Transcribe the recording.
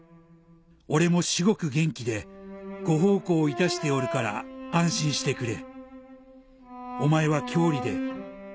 「俺も至極元気でご奉公いたしておるから安心してくれ」